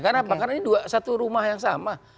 karena apa karena ini satu rumah yang sama